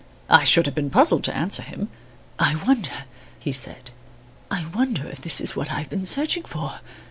I should have been puzzled to answer him. "I wonder," he said, "I wonder if this is what I have been searching for.